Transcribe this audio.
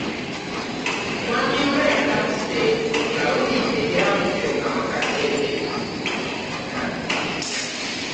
Mwami Lule yatabuse ng'awulidde ebyavudde mu kamwa ka ssentebe.